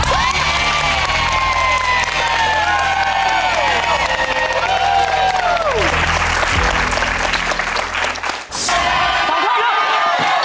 ๒ด้วยลูก